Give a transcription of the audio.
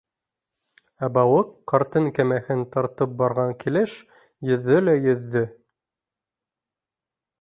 Ә балыҡ ҡарттың кәмәһен тартып барған килеш йөҙҙө лә йөҙҙө.